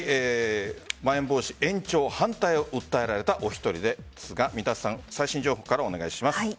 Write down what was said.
まん延防止延長反対を訴えられたお一人ですが最新情報からお願いします。